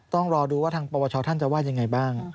ต้องรอดูว่าทางปวชท่านจะว่ายังไงบ้าง